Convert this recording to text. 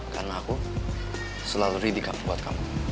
karena aku selalu ready cup buat kamu